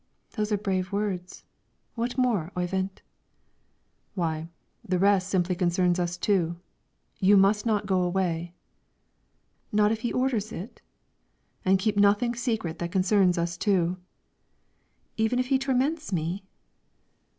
"Those are brave words. What more, Oyvind?" "Why, the rest simply concerns us two. You must not go away." "Not if he orders it?" "And keep nothing secret that concerns us two." "Even if he torments me?"